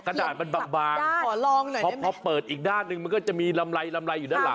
กระดาษมันบางเพราะพอเปิดอีกด้านหนึ่งมันก็จะมีลำไรอยู่ด้านหลัง